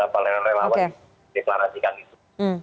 pak leroy lawan deklarasikan gitu